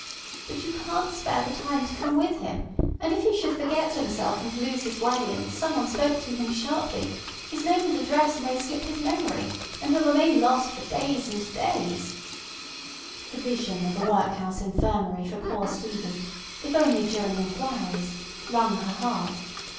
"But you can't spare the time to come with him, and if he should forget himself and lose his way and somebody spoke to him sharply, his name and address may slip his memory, and he'll remain lost for days and days—" The vision of a workhouse infirmary for poor Stevie—if only during inquiries—wrung her heart.